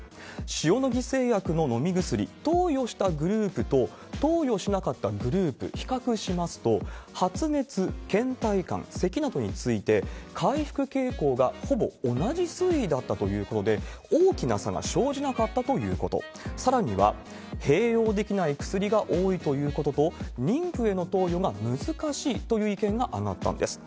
塩野義製薬の飲み薬、投与したグループと、投与しなかったグループ、比較しますと、発熱、けん怠感、せきなどについて、回復傾向がほぼ同じ推移だったということで、大きな差が生じなかったということ、さらには、併用できない薬が多いということと、妊婦への投与が難しいという意見が上がったんです。